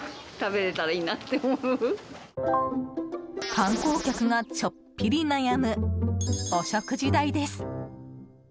観光客がちょっぴり悩むお食事代です。